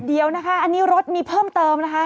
เดี๋ยวนะคะอันนี้รถมีเพิ่มเติมนะคะ